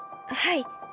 はい。